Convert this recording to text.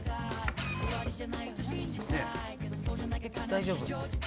大丈夫。